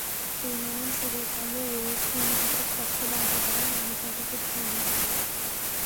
Tournament শুরুর আগে West ইন্ডিজের পক্ষে বাজি ধরার মানুষ হয়তো খুব কমই ছিল।